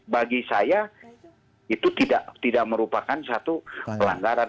bagi saya itu tidak merupakan satu pelanggaran